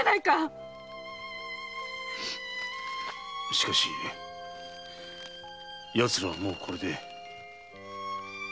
しかしやつらはもうこれで。